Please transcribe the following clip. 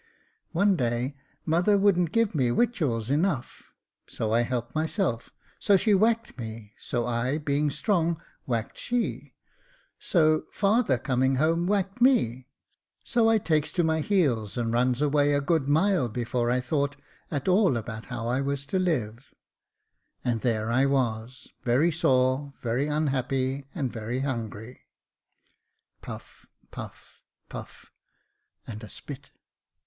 One day mother wouldn't give me wictuals enough, so I helped myself , so she whacked me, so I, being strong, whacked she ; so father, coming home, whacked me, so I takes to my heels and runs away a good mile before I thought at all about how I was to live ; and there I was, very sore, very unhappy, and very hungry. [Puff, puff, puff, and a spit.